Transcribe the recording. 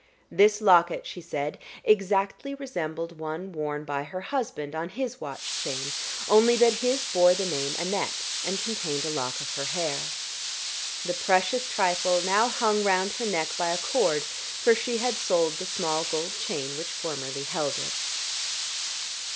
This locket, she said, exactly resembled one worn by her husband on his watch chain, only that his bore the name Annette, and contained a lock of her hair. The precious trifle now hung round her neck by a cord, for she had sold the small gold chain which formerly held it.